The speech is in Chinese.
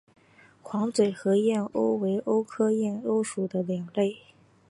黄嘴河燕鸥为鸥科燕鸥属的鸟类。